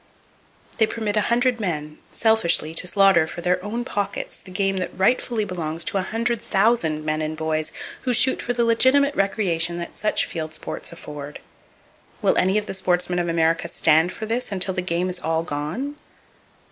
They permit a hundred men selfishly to slaughter for their own pockets the game that rightfully belongs to a hundred thousand men and boys who shoot for the legitimate recreation that such field sports afford. Will any of the sportsmen of America "stand for" this until the game is all gone?